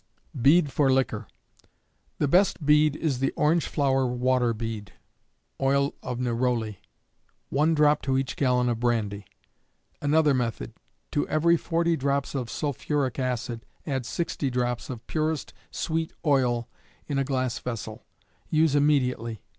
Bead for Liquor. The best bead is the orange flower water bead, (oil of neroli,) 1 drop to each gallon of brandy. Another method: To every 40 drops of sulpuric acid, add 60 drops purest sweet oil in a glass vessel; use immediately.